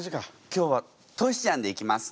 今日はトシちゃんでいきます。